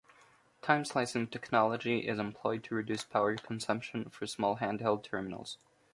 Time slicing technology is employed to reduce power consumption for small handheld terminals.